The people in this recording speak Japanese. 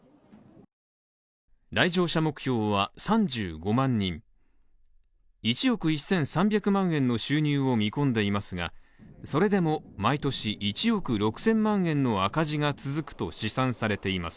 来場者目標は３５万人１億１３００万円の収入を見込んでいますがそれでも毎年１億６０００万円の赤字が続くと試算されています